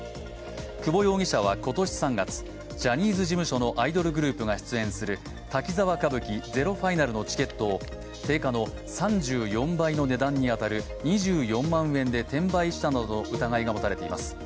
久保容疑者は今年３月、ジャニーズ事務所のアイドルグループが出演する「滝沢歌舞伎ＺＥＲＯＦＩＮＡＬ」のチケットを定価の３４倍の値段に当たる２４万円で転売したなどの疑いが持たれています。